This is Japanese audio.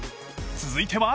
続いては］